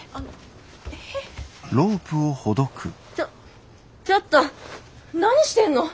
ちょっちょっと何してんの？